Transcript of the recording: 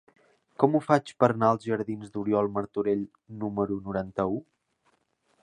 Com ho faig per anar als jardins d'Oriol Martorell número noranta-u?